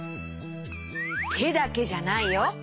てだけじゃないよ。